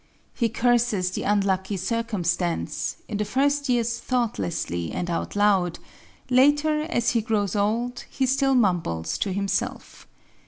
He curses the unlucky circumstance, in the first years thoughtlessly and out loud, later, as he grows old, he still mumbles to himself.